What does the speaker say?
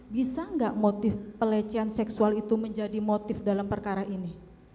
bisa nggak motif pelecehan seksual itu menjadi motif dalam perkara ini